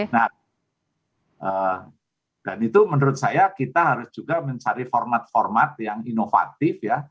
nah dan itu menurut saya kita harus juga mencari format format yang inovatif ya